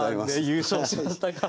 優勝しましたか。